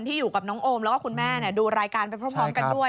อยู่กับน้องโอมแล้วก็คุณแม่ดูรายการไปพร้อมกันด้วย